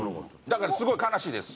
だからすごい悲しいです。